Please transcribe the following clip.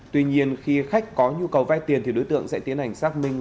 tuy nhiên khi khách có nhu cầu vay tiền thì đối tượng sẽ tiến hành xác minh